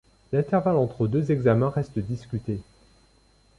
L'intervalle entre deux examens reste discuté.